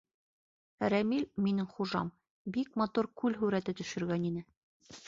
— Рәмил, минең хужам, бик матур күл һүрәте төшөргән ине.